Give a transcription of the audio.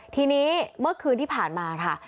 ทีนี้เมื่อคืนที่ผ่านมาค่ะ